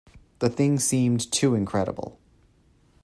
The thing seemed too incredible.